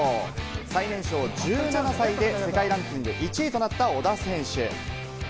最年少１７歳で世界ランキング１位となった小田選手。